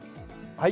はい。